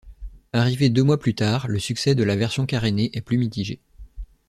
Arrivée deux mois plus tard, le succès de la version carénée est plus mitigé.